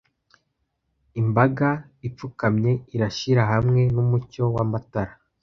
Imbaga ipfukamye irashira hamwe numucyo wamatara.